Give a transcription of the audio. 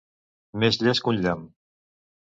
Més llest que un llamp.